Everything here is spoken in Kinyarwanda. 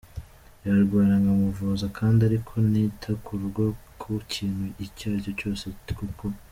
Yarwara nkamuvuza kandi ariko nita ku rugo ku kintu icyo aricyo cyose kuko.